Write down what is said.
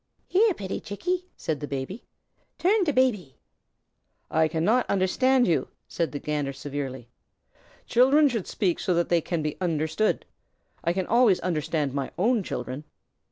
"Here, pitty Chickie!" said the Baby. "Tum to Baby." "I cannot understand you," said the Gander, severely. "Children should speak so that they can be understood. I can always understand my own children."